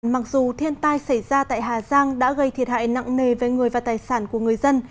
mặc dù thiên tai xảy ra tại hà giang đã gây thiệt hại nặng nề với người và tài sản của người dân